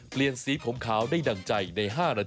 เปลี่ยนสีผมขาวได้ดั่งใจใน๕นาที